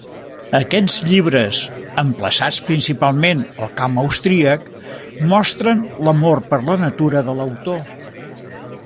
Aquests llibres, emplaçats principalment al camp austríac, mostren l'amor per la natura de l'autor.